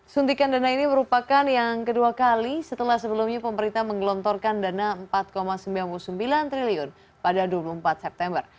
suntikan dana ini merupakan yang kedua kali setelah sebelumnya pemerintah menggelontorkan dana rp empat sembilan puluh sembilan triliun pada dua puluh empat september